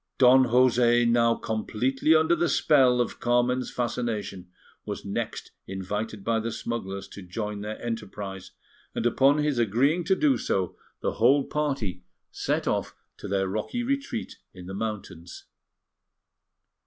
Don José, now completely under the spell of Carmen's fascination, was next invited by the smugglers to join their enterprise, and upon his agreeing to do so, the whole party set off to their rocky retreat in the mountains.